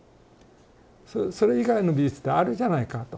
それ以外の美術ってあるじゃないかと。